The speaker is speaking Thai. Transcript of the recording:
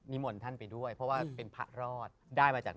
พี่ยังไม่ได้เลิกแต่พี่ยังไม่ได้เลิก